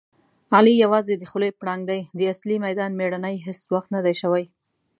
علي یووازې د خولې پړانګ دی. د اصلي میدان مېړنی هېڅ وخت ندی شوی.